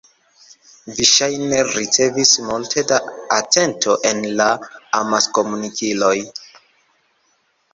Vi ŝajne ricevis multe da atento en la amaskomunikiloj.